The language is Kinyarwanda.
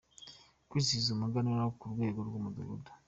kwizihiza umuganura ku rwego rw’ umudugudu.